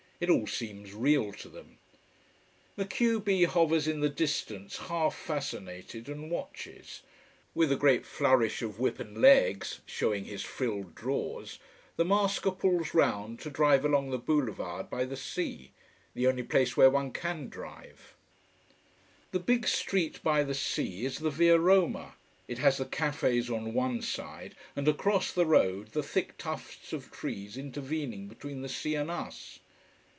It all seems real to them. The q b hovers in the distance, half fascinated, and watches. With a great flourish of whip and legs showing his frilled drawers the masker pulls round to drive along the boulevard by the sea the only place where one can drive. The big street by the sea is the Via Roma. It has the cafés on one side and across the road the thick tufts of trees intervening between the sea and us.